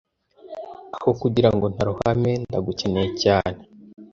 aho kugirango ntarohame ndagukeneye cyane